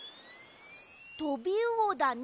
トビウオだね。